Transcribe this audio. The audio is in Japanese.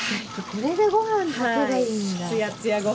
これでご飯炊けばいいんだ。